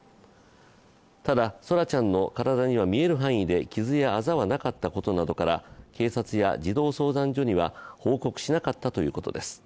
ただ奏良ちゃんの体には見える範囲で傷やあざはなかったことなどから警察や児童相談所には報告しなかったということです。